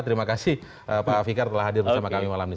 terima kasih pak fikar telah hadir bersama kami malam ini